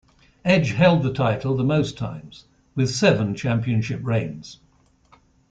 Edge held the title the most times with seven championship reigns.